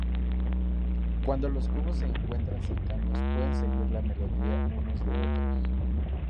Cuando los cubos se encuentran cercanos pueden seguir la melodía unos de otros.